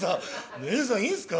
『ねえさんいいんすか？